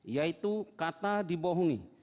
yaitu kata dibohongi